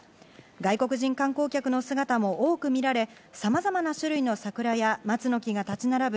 外国人観光客の姿も多く見られ、様々な種類の桜や松の木が立ち並ぶ